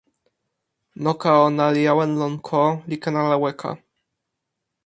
noka ona li awen lon ko, li ken ala weka.